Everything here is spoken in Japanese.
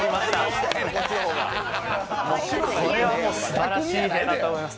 これはもう、すばらしい部屋だと思います。